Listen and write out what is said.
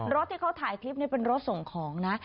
รถที่เขาถ่ายคลิปนี้เป็นรถส่งของนะ